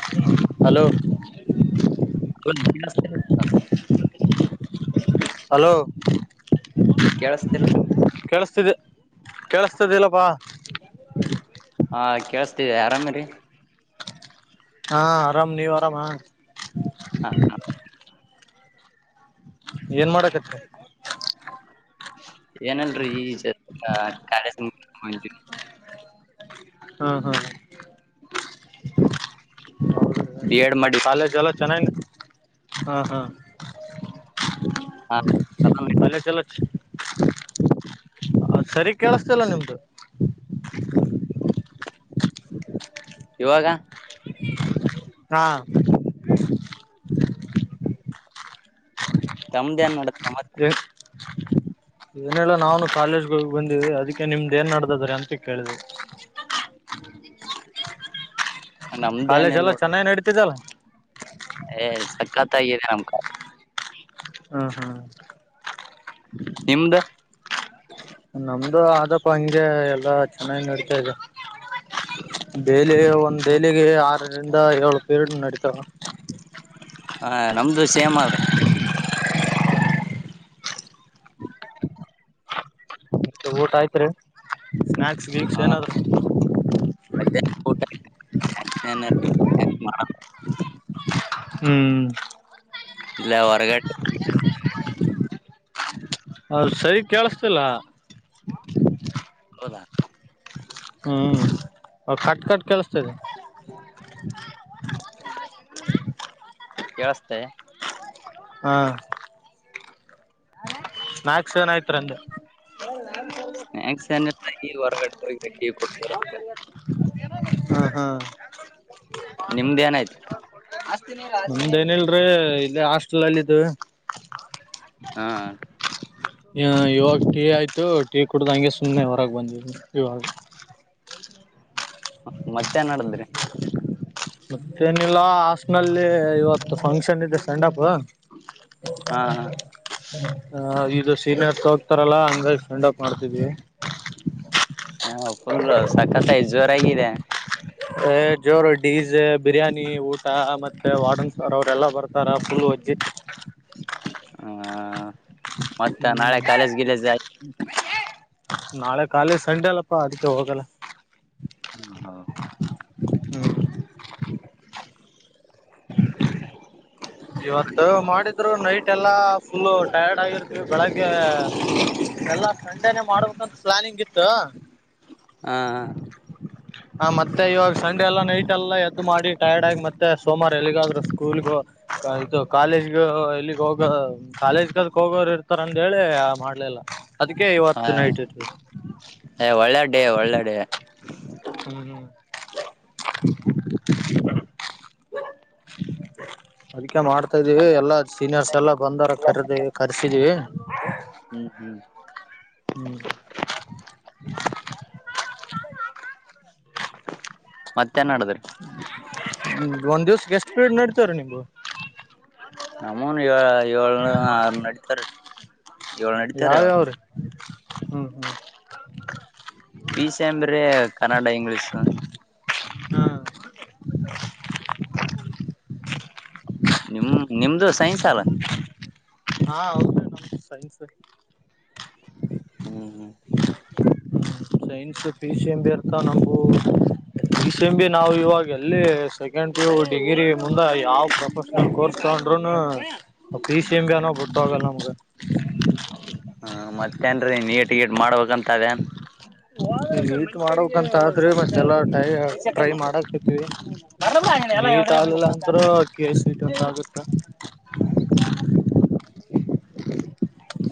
[inaudible] Hello hello ಕೇಳಸ್ತಿಲ್ hello ಕೇಳಸ್ತಿಲ್ರಿ ಕೇಳಿಸತಿದೆ ಕೇಳಸ್ತದಿಲ್ಲಪ್ಪಾ ಹಾ ಕೇಳಸ್ತಿದೆಿ ಆರಾಮ ರೀ ಹಾ ಆರಾಮ್ ನೀವು್ ಆರಾಮ ಹಾ ಹಾ ಏನ್ ಮಾಡಕತ್ ಏನಲ್ರರಿ ಈವಿ ಹಾ ಹಾ ಬಿ ಎಡ್ ಮಾಡಿ ಅೇ ಜಲೋ ಚೆನ್ನಾಯನ ಹಾಂ ಹಾಂ ಹಾ ಚಲೋ ನಡೀತ್. ಅಲೆ ಚಲೋ ಸರಿ ಕೇಳಿಸತಿಲ್ಲ ನಿಮ್ದು ಇವಾಗ ಹಾ ತಮ್ದ ಏನ್ ನಡುತ್ತೆ ಮತ್ತೆ ಏನಲ್ಲ ನಾವನು ಕಾಲೇಜ್ಗೆ ಹೋಗ ಬಂದಿದೆ ಅದಕ್ಕೆ ನಿಮ್ದ್ ಏನ್ ನಡ್ದಾದ್ರ ಅಂತ ಕೇಳಿದ [inaudible] ನಮ್ದೇನ್ ಕಾಲೇಜ್ ಎಲ್ಲ ಚೆನ್ನಾಗಿ ನಡತಿದ್ದಲ್ಲ ಏ್ ಸಕ್ಕತ್ತ ಆಗಿದೆ ನಮ್ ಕ ಹ ಹಾ ನಿಮ್ದ ನಮ್ದು ಆದಕ್ಕ ಹಂಗೆ ಎಲ್ಲ ಚೆನ್ನಾಗಿ ನಡ್ತಾ ಇದೆ ಬೆಲೆ ಒಂದ್ ದಲಿಗೆ ಆರರಿಂದ ಏಳು ಪೇರ್ಡ್ ನಡತಾವ ಹ ನಮ್ದು ಸೇಮ್ ಅ ಊಟ ಆಯ್ತ್ರಿ ಸ್ನ್ನಾಾಕ್ಸ್ ವೀಕ್ಸ್ ಏನಾದ್ರು ಮ ಹ ಹ್ಮ್ ಇಲ್ಲ ಹೊರಗಟ ಅದು ಸರಿ ಕೇಳಸ್ತಿಲ್ಲ ಹೌದಾ ಹ್ಮ್ ಕಟ್ ಕಟ್ ಕೆಲಸ್ತದೆ ಕೇಳಿಸತೇ ಹಾ ನಾಕ್ಸಏನ ಆಯ್ತ್ಂದ ಹ ನ ಸ್ನ್ಯಾಕ್ಸ್ ಹೊರಗಡೆಗಿಟ್ಟ ಕೊಡ್ತಾರ ಹಾ ಹಾ ನಿಮ್ದ್ ಏನಾಯ್ತಿ ಮುಮ್ದೇನಲ್ರಿ ಇಲ್ಲಿ ಹಾಸ್ಟೆಲ್ಲ್ಲಿಿದ್ದು ಹಾ ಹ ಇವಾಗ ಟೀ ಆಯ್ತು ಟೀ ಕುಡ್ದಂಗೆ ಸುಮ್ಮನೆ ಹೊರಾಗ ಬಂದಿದ ಇವಾಗ ಮತ್ತೆನ್ ನಡದ್ರಿ ಮತ್ತೇನಿಲ್ಲ ಹಸ್ಟ್ನಲ್ಲಿ ಇವತ್ತು ಫಂಕ್ಷನ್ ಇದೆ ಸ್ಟ್ಯಾಂಡ್ಪ್ ಹಾ ಹ ಇದು ಸೀನಿಯರ್ ತ ಹೋಗತಾರಲ್ಲಾ ಹಂಗಾಗಿ ಫ್ರೆಂಡ್ ಅಪ್ ಮಾಡ್ತಿದ್ವಿ ಹಾ ಫುಲ್ ಸಕತ್ ಐದು್ ಜೋರಗಿದೆ ಜೋರು ಡೀಸ್ ಬಿರಿಯಾನಿ ಊಟ ಮತ್ತೆ ವಾರ್ಡನ್ಸ್ಾರ್ ಅವ್ರಲ್ಲ ಬರ್ತಾರ ಫುಲ್ ವಜ್ಜಿ ಹ ಮತ್ತ ಹ್ಮ್ ನಾಳೆ ಕಾಲೇಜ್ ಗಿಲೇಜ್ ನಾಳೆ ಕಾಲಿ ಸಂಡೆ ಅಲ್ಲಪ್ಪಾ ಅದಕ್ಕೆ ಹೋಗಲ್ಲ ಹಾ ಇವತ್ತು ಮಾಡ ಆದ್ರೂ ನೈಟ್ ಎಲ್ಲ ಫುಲ್ಲು ಟೈಯಾರ್ಡ್ ಆಗಿರ್ತೀವಿ ಬೆಳಗ್ಗೆ ಎಲ್ಲ ಸಂಡೇನೇ ಮಾಡ್ಬೇಕಂದ್ರೆ ಪ್ಲಾನಿಂಗ್ ಇತ್ತು ಹಾ ಹ ಹ ಮತ್ತೆ ಇವಾಗ ಸಂಡೆ ಎಲ್ಲಾ ನೈಟ್ ಎಲ್ಲ ಎದ್ದು ಮಾಡಿ ಟಯಾರ್ಡ ಆಗಿ ಮತ್ತೆ ಸೋಮವಾರ ಎಲ್ಲಿಗಾದ್ರು ಸ್ಕೂಲ್ಗು ಆಯ್ತು ಕಾಲೇಜ್ಗ ಎಲ್ಲಿಗ್ ಹೋಗ ಕಾಲೇಜ್ ಕದಕ್ ಹೋಗೋರು ಇರ್ತಾರ ಅಂದೇಳಿ ಆ ಮಾಡ್ಲಿಲ್ಲ ಅದಕಕ್ಕೆ ಹ ಇವತ್ತ ನೈಟ್ ಇಟ್ರ್ರಿ ಏ ಒಳ್ಳೆ ಡೇ ಒಳ್ಳೆ ಡೇ ಹ್ಮ್ ಹ್ಮ ಅದಕ್ಕೆ ಮಾಡ್ತ ಹತ ಇದೀವಿ ಎಲ್ಲಾ ಸೀನಿಯರ್ಸ್ ಎಲ್ಲಾ ಬಂದಾರ ಕರೆದವಿ ಕರೆಸಿದೀವಿ ಹ್ಮ್ ಹ್ಮ್ ಹ್ಮ್ ಮತ್ತೇನ್ ಆಡದ್ರಿ ಹ್ಮ ಒಂದ್ ದಿವಸಕ್ಕ್ ಎಷ್ಟ ಪ್ರಿಡ ನಡಿತಾವರಿ ನಿಮ್ಮು ನಮ್ಮೂನು ಏ ಏಳ್ನ ಆರ್ ನಡಿತಾವರಿ ಯಾವ ಯಾವ್ರೀ ಹ್ಮ್ ಹ್ಮ್ ಪಿ ಸಿ ಏಮ್ರಿ ಕನ್ನಡ ಇಂಗ್ಲೀಷ್ ಹಾ ನಿಮ್ಮ್ ನಿಮ್ದು ಸೈನ್ಸ್ ಅಲಾ ಹಾ ಹೌದು ನಮ್ದ್ ಸೈನ್ಸ್ ಹ್ಮ ಹ ಸೈನ್ಸ್ ಪಿ ಸಿ ಎಂಬಿ ಇರ್ತಾವ ನಮಗೂ ಪಿ ಸಿ ಎಮ್ ಬಿ ನಾವ ಇವಾಗ್ ಎಲ್ಲಿ ಏನ್ ಕೋರ್ಸ್ ತೊಂಡ್ರೂನು ಅವ ಪಿ ಸಿ ಎಮ್ ಬಿ ಅನ್ನೋವ ಬಿಟ್ಟೋಗಲ್ಲ ನಮ್ಗ ಹ್ಮ ಮತ್ತೇನ್ರೀ ನೀಟ್ ಗಿಟ್ ಮಾಡ್ಬೇಕಂತ ಅದೇನ್ ನೀಟ್ ಮಾಡ್ಬೇಕಂತ ಅದ್ರಿ ಮತ್ತ್ ಎಲ್ಲಾ ಟೈ ಟ್ರೈ ಮಾಡಾಕತ್ತೀವಿ ನೀಟ್ ಆಗ್ಲಿಲ್ಲಾ ಅಂದ್ರು ಕೆಸಿಇಟ್ ಅಂತು ಆಗತ್ತ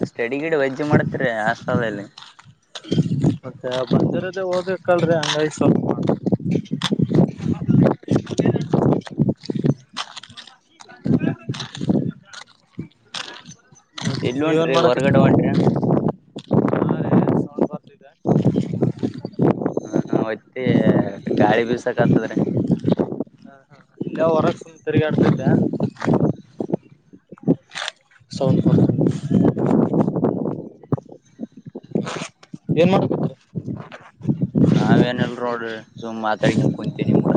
ಸ್ಟಡಿ ಗಿಡಿ ವಜ್ಜ ಮಾಡ್ತೀರ ಹಾಸ್ಟೆಲ್ ಅದ್ ಅಲ್ಲಿ ಮತ್ತೆ ಬಂದಿರೋದೇ ಓದಕ್ಕಲ್ಲರೀ ಹಂಗಾಗಿ ಸ್ವಲ್ಪ ಮಾಡ ಇ ಎಲ್ಲಿ ನೀವೇನ್ ಹೊಂಟ್ರಿ ಹೊರ್ಗಡೆ ಮಾಡಾಕತ್ತಿರಿ ಹೊಂಟ್ರಿ ಏನ್ ಬರ್ತಿದೆ ಹ್ಮ ಹೊಯ್ತ್ತ ಗಾಳಿ ಬೀಸಕ ಆತದ್ರೀ ಇಲ್ಲ ಹೊರಸ ತಿರ್ಗಾಡತಿಲ್ಲ ಸೌನ್ಪ ಏನು ನಾವ ಏನಲ್ ನೋಡ್ರಿ ಸುಮ್ ಮಾತಾಡನ್ ಕುಂತೀನಿ ಮೂಡ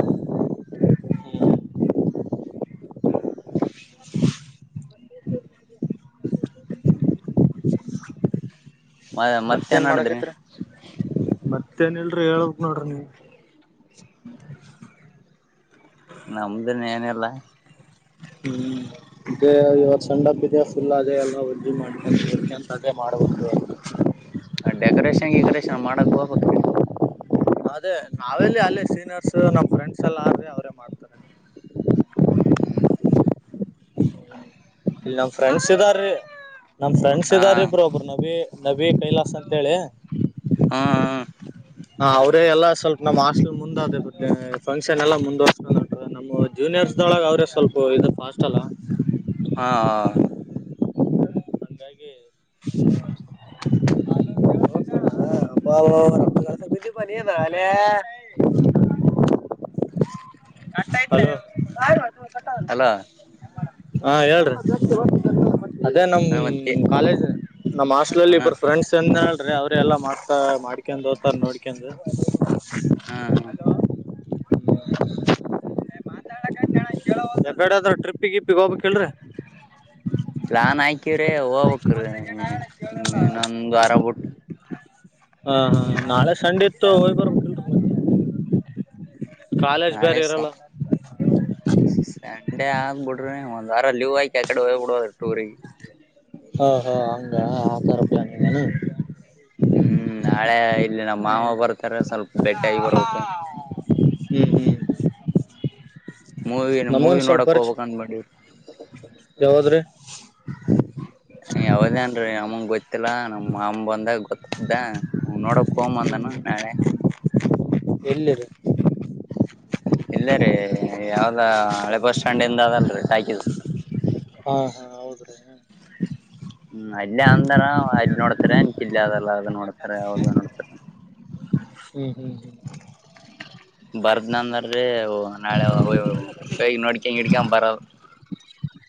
ಮ ಮತ್ತೇ ಮತ್ತೇನ್ ನ್ ನಡದ್ರಿ ಮಾಡಕೈತ್ರಿ ಮತ್ತೇಏನ್ ಇಲ್ರಿ ಹೇಳ್ಬಕ್ ನೋಡ್ರಿ ನೀ ನಮ್ದೇನ್ ಏನಿಲ್ಲಾ ಹ್ಮ್ ಎ ಇವತ್ತ್ ಸೆಂಡ್ ಅಪ್ ಇದೆ ಫುಲ್ ಅದೇ ಎಲ್ಲಾ ಉದ್ದಿ ಮಾಡ್ಕೊಂತ ನೋಡ್ಕೊಂತ ಅದೇ ಮಾಡ್ಬೇಕ್ ಇವತ್ತ್ ಹ ಡೆಕರೇಷನ್ ಈಗರೇಷನ್ ಮಾಡಕ್ ಹೋಗಬಕ್್ರೀ ಅದೇ ನಾವೆಲ್ಲಿ ಅಲ್ಲೇ ಸೀನಿಯರ್ಸ್ ನಮ್ಮ ಫ್ರೆಂಡ್ಸ್ ಎಲ್ಲ ಆದರೆ ಅವರೇ ಮಾಡ್ತಾರೆ ಹ್ಮ್ ಇಲ್ಲಿ ನಮ್ಮ ಫ್ರೆಂಡ್ಸ್ ಇದ್ದಾರೀ ನಮ್ ಫ್ರೆಂಡ್ಸ್ ಹಾ ಇದ್ದಾರೆ ಇಬ್್ರೋ ಒಬ್ರು ನವಿ ನವಿ ಕೈಲಾಸ್ ಅಂತ ಹೇಳಿ ಹ್ಮ ಹಾ ಅವ್ರೇ ಎಲ್ಲಾ ಸ್ವಲ್ಪ ನಮ್ಮ್ ಹಾಸ್ಟಲ್ ಮುಂದ್ ಅಟ್ಟ ಫಂಕ್ಷನ್ ಎಲ್ಲಾ ಮುಂದುವಸ್ಕೊಂಡ ನಮ್ಮ ಜೂನಿಯರ್ಸ್ ದೊಳಗೆ ಅವ್ರೆ ಸ್ವಲ್ಪ ಇದು ಫಾಸ್ಟ್ ಅಲ್ ಹಾ ಹಂಗ ನಾನ [inaudible] ಹ ರಸಿದ್ದ ಪನ ನಾಲೆ ಆಯ್ತ ಅಲೋ ಹಾ ಹೇಳ್ರಿ ಅದೇ ನಮ ಮತ್ತೆ ಹ್ಮ ಕಾಲೇಜ್ ನಮ್ಮ್ ಹಸ್ಟ್ ಹಾ ಅಲ್ಲಿ ಇಬ್ಬರು ಫ್ರೆಂಡ್ಸ್ ಚೆಂದ ಹೇಳ್ರಿ ಅವ್ರ ಎಲ್ಲ ಮಾಡ್ತಾ ಮಾಡ್ಕೊಂಡಂಡು ಓೋಗ್ತಾರೆ ನೋಡ್ಕಂಡು ಹ್ಮ್ ಹ್ಮ್ ಮಾತಾಡಗ್ಗಡೆ ಆದ್ರ ಟ್ರಿಪ್ಪಿಗೆ ಇಿಪ್ಪಿಗೆ ಹೋಗಬೇಕಕ್ಲ್ರಿೀ ಪ್ಲಾನ್ ಹಾಕವ್ರಿ ಹೋಗ್ಬಕ್್ರೀ ನಂದು್ವಾರಬಟ್ಟ ಹಾ ಹಾ ನಾಳೆ ಸಂಡೆ ಇತ್ತು ಹೋಗ್ ಬರ್ಬ ಮತ್ತೆ ಕಾಲೇಜ್ ನಾಳೆ ಬೇರೆ ಸಾ ಇರಲ್ಲ. ಸಂಡೆ ಆಗ್ಬಿಡ್ರಿ ಒಂದ್ ವಾರ ಲೀವ್ ಆಯಕ ಆ ಕಡೆ ಹೋಗ್ಬ ಬಿಡೋ್ರೀ ಟೂರಿಗೆ ಹಾ ಹಾ ಹ ಆಕಾರ ಪ್ಲಾನ ಹ್ಮ್ ನಾಳೆ ಇಲ್ಲಿ ನಮ್ಮ ಮಾವ ಹ್ಮ್ ಬರ್ತಾರೆ ಸ್ವಲ್ಪ ಬೆಟ್ಟ ಆಾಗಿ ಬರೋಕೆ ಹ್ಮ್ ಮೂವಿನ ಮೂವಿ ನೋಡಕ್ ಹೋಗಬೇಕಕ್ಂದ ಮಾಡಿ ಯಾವದ್ರೀ ಯಾವದೇನ್ರೀ ಅಮ್ಮಂಗ ಗೊತ್ತಿಲ್ಲಾ ನಮ್ಮ್ ಅಮ್ಮ ಬಂದಾಗ ಗೊತ್ತ್ದ ನೋಡಕ್ ಕೋ್ ಅಂದನು ನಾಳೆ ಎಲ್ಲಿದೆ ಇಲ್ಲ ರೀ ಯಾವ್ದ ಹಳೆ ಬಸ್ ಸ್ಟ್ಯಾಂಡ್ ಇಂದ ಅದಲ್ರಿ ಟಾಕೀಸ್ ಹಾ ಹಾ ಹೌದ್ರಿ ಹ್ಮ್ ಅಲ್ಲೇ ಅಂದಾರ ಅಲ್ಲಿ ನೋಡ್ತಾರೆ ಅನ್ ಕಿಲ್ಲ ಅದಲ್ಲ ಅದ ನೋಡ್ತಾರೆ ಹದು ನೋಡ್ತಾರೆ ಹ್ಮ್ ಹ್ಮ್ ಹ್ಮ್ ಬರ್ದ್ನಂದ್ರೀ ನಾಳೆ ನೋಡ್ಕಂಗ ಹಿಡ್ಕ ಬರದ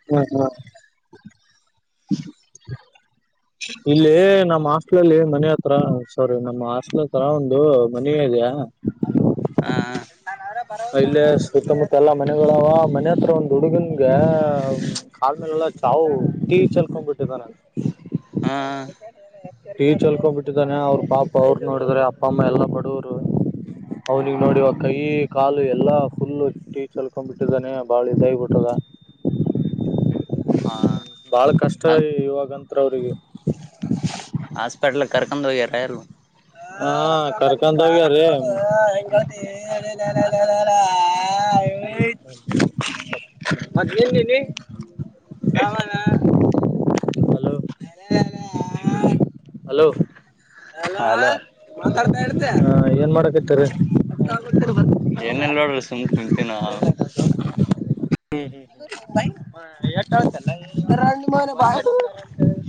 ಹ್ಮ ಹಾ ಇಲ್ಲಿ ನಮ್ಮ್ ಹಾಸ್ಟ್ಲಲ್ಲಿ ಮನೆ ಹತ್ರ ಸಾರಿ ನಮ್ಮ ಹಾಸ್ಟ್ಲ್ ಹತ್ರತ್ರ ಒಂದು ಮನೇ ಇದೆಯಾ ಹಾ ಹ ಇಲ್ಲೇ ಸುತ್ತಮುತ್ತ ಎಲ್ಲಾ ಮನೆಗಳಾವ ಮನೆ ಹತ್ರ ಒಂದ್ ಹುಡುಗನ್ಗೆ ಕಾ ಮೇಲೆೆಲ್ಲ ಚಾವು ಟಿ ವಿ ಚಲ್ಕೊಂಡ್ ಬಿಿಟ್ಟಿದ್ದ ನನ್ ಹಾ ಟೀ ಚಲ್ಕೊಂಡ್ ಬಿಟ್ಟಿದ್ದಾನೆ ಅವ್ರ ಬಾಪ ಅವರು ನೋಡಿದಾರೆ ಅಪ್ಪಮ್ಮ ಎಲ್ಲಾ ಬಡವರು ಅವ್ನಿಿಗೆ ನೋಡಿ ಅಕ್ಕ ಈ ಕಾಲು ಎಲ್ಲಾ ಫುಲ್ಲು ಟೀ ಚಲ್ಕೊಂಡ್ಬಿಟ್ಟಿದ್ದಾನೆ ಬಾಳಿ ದೈ ಬಿಟ್ಟದ ಹಾ ಭಾಳ ಕಷ್ಟ ಹಾ ಇವಾಗಂತತ್ರ ಅವ್ರಿಗೆ ಹಾಸ್ಪಿಟಲ್ಗೆ ಕರ್ಕೊಂಡೋಗಿ ರಲ್ಲ ಹಾ ಕರ್ಕಂತಾಗ ರೀ ರ ಮತ್ತ್ನ್ನಿ ನಾವಾನ ಲ ಹಲೋ ಹಲ ಮಾತಾಡರಾ ಹ ಏನ್ ಮಾಡಕ ಇತಾರ ಏನಲ್ ನೋಡ್ರಿ ಸುಮ್ ಕುಂತೀ ನಾ ಹ್ಮ್ ಹ್ಮ್ ಎಳಲ್ಲ ಇ ಮಲೆ ಬಾ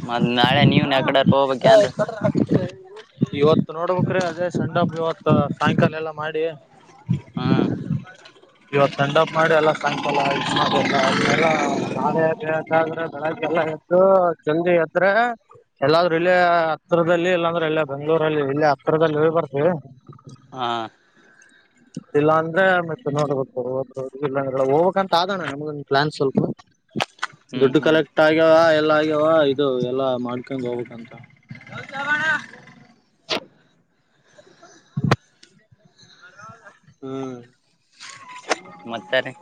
ಮತ್ತ್ ನಾಳೆ ನೀವನ್ ಎ ಕಡೆರ್ಕ ಹೋಗಬೇಕ ಯನ್ ಹಗಿದ್ರೆ ಇವತ್ ನೋಡ್ಬೇಕ್ರೀ ಅದೇ ಸಣ್ಣಪ್ ಇವತ್ ಸಾಯಂಕಾಲ ಎಲ್ಲಾ ಮಾಡಿ ಹಾ ಇವಾಗ ಸಂಡ್ಪ್ ಮಾಡಿ ಎಲ್ಲ ಸಕಲ್ಲ ಇ ಮಾಡಲ್ಲ [unintelligible] ಎಲ್ಲಾದ್ರೂ ಇಲ್ಲೇ ಹತ್ರಿರದಲ್ಲಿ ಇಲ್ಲಾಂದ್ರೆ ಇಲ್ಲ ಬೆಂಗಗಳೂರಲ್ಲಿ ಇಲ್ಲ ಹತ್ರಿದಲ್ಲಿ ಬರ್ತೀವಿ ಆ ಇಲ್ಲ ಅಂದ್ರೆ ಮತ್ತೆ ನೋಡ್ಬೇಕ ಹೋಗ್ಬೇಕ ಅಂತ ಆದಣ್ಣ ನಮಗೊಂದು ಪ್ಲಾನ್ ಸ್ವಲ್ಪ [inaudible] ದುಡ್ಡುಕಾಲಕ್ ಅಷ್ಟ ಆಗ್ಯಾವ ಎಲ್ಲ ಆಗ್ಯಾವ ಇದು ಎಲ್ಲ ಮಾಡ್ಕೊಂಡ್ ಹೋಗ್ಬೇಕಂತ [inaudible] ಹ್ಮ್ ಮತ್ತಾ ರೆ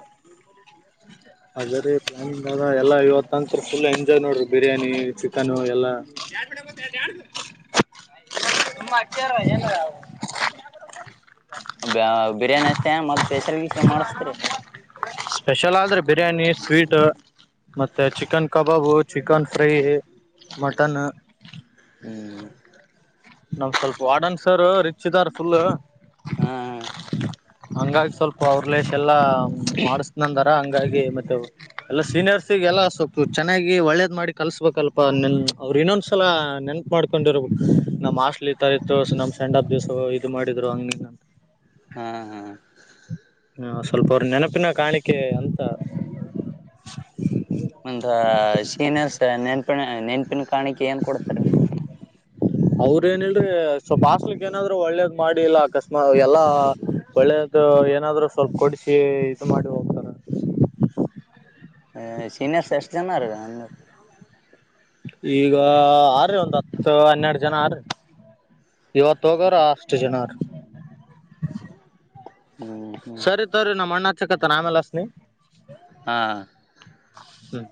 ಅದ ರೀ ಪ್ಲಾನಿಂಗಾರ ಎಲ್ಲ ಇವತ್ತುಂತರ ಫುಲ್ ಎಂಜಾಯ್ ನೋಡ್ರರಿ ಬಿರಿಯಾನಿ ಚಿಕನು ಎಲ್ಲ ಮಾರಏನು ಬ ಬಿರಿಯಾನಿ ಅಷ್ಟೇ ಮತ್ತ ಹೆಸರ್ ಗೀಸ ಮಾಡಿಸತರಿ ಸ್ಪೆಷಲ್ ಆದ್ರೆ ಬಿರಿಯಾನಿ ಸ್ವೀಟ್ ಮತ್ತೆ ಚಿಕನ್ ಕಬಾಬು ಚಿಕನ್ ಫ್ರೈ ಮಟನ್ ಹ್ಮ್ ನಮ್ ಸ್ವಲ್ಪ ವಾಡನ್ಸರ್ ರಿಚ್ ಇದಾರ್ ಫುಲ್ ಹಾ ಹಾ ಹಂಗಾಗಿ ಸ್ವಲ್ಪ ಅವ್ರಲಸ್ ಎಲ್ಲಾ ಮಾಡಿಸನಂದಾರ ಹಂಗಾಗಿ ಮತ್ತೆ ಎಲ್ಲ ಸೀನಿಯರ್ಸಿಗೆ ಎಲ್ಲ ಸೊಪ್ಪು ಚೆನ್ನಾಗಿ ಒಳ್ಳೇದ್ ಮಾಡಿ ಕಲ್ಸ್ಬೇಕಲ್ಪ ನಿೆಲ್ ಅವ್ರು ಇನ್ನೊಂದ್ಸಲ ನೆನಪು ಮಾಡ್ಕೊಂಡಿರಬೇಕು ನಮ್ಮ್ ಆಸ್ಟ್ಲ್ ಈ ಥರ ಇತ್ತು ನಮ್ಮ್ ಸ್ಯಾಂಡ್ಪ್ ದಿವ್ಸ ಮಾಡಿದ್ರು ಹಂಗ ಹಾ ಹಾ ಹಾ ಸ್ವಲ್ಪ ಅವ್ರ ನೆನಪಿನ ಕಾಣಿಕೆ ಅಂತ ಒಂದು ಶೀನಸ್ ನೆನ್ಪಿನ ನೆನ್ಪಿನ ಕಾಣಿಕೆ ಏನ್ ಕೊಡ್ತಾರೆ ಅವ್ರ ಏನ್ ಹೇಳ್ರಿ ಸ್ವಲ್ಪಪ್ ಹಾಸ್ಲಿಕ್ ಏನಾದ್ರರು ಒಳ್ಳೇದ್ ಮಾಡಿ ಇಲ್ಲ ಅಕಸ್ಮಾ ಎಲ್ಲಾ ಒಳ್ಳೇದ ಇ ಏನಾದ್ರು ಸ್ವಲ್ಪ ಕೊಡಿಸಿ ಇದು ಮಾಡಿ ಹೋಗ ಸೀಿನಿಯರ್ ಸಿಟಿಜನ್ ಅಂದ ಈಗ ಆರಿ ಒಂದ್ ಹತ್ತ ಹನ್ನೆರಡ ಜನ ಆರ್ರಿ ಇವತ್ತ ಹೋಗರ ಅಷ್ಟ ಇಷ್ಟ ಜನಾರಿ ಹ್ಮ ಹ್ಮ್ ಸರ್ ರೀ ನಮ್ಮಣ್ಣ ಹಚಕತ ನ ಆಮೇಲ ಅಚ್ಚತ್ತಿನಿ ಹಾ ಹ್ಮ್.